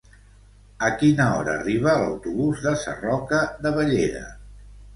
A quina hora arriba l'autobús de Sarroca de Bellera?